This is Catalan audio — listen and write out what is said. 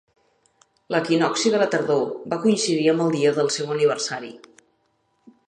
L'equinocci de la tardor va coincidir amb el dia del seu aniversari.